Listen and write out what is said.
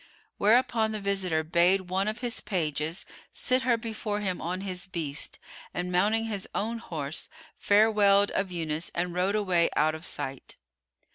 Whereupon the visitor bade one of his pages sit her before him on his beast, and mounting his own horse, farewelled of Yunus and rode away out of sight.